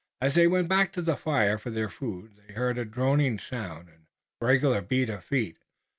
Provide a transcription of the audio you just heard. As they went back to the fire for their food they heard a droning song and the regular beat of feet.